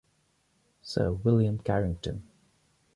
Sir William Carington.